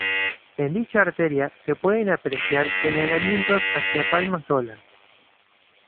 En dicha arteria, se pueden apreciar señalamientos hacia Palma Sola.